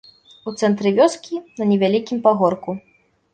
У цэнтры вёскі, на невялікім пагорку.